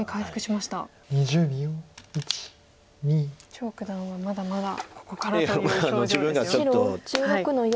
張栩九段はまだまだここからという表情ですよ。